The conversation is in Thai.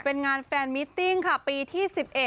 เป็นงานแฟนมิตติ้งค่ะปีที่๑๑